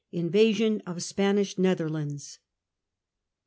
INVASION OF SPANISH NETHERLANDS.